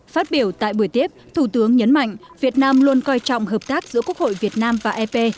phát biểu tại buổi tiếp thủ tướng nhấn mạnh việt nam luôn coi trọng hợp tác giữa quốc hội việt nam và ep